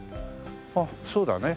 あっそうだね。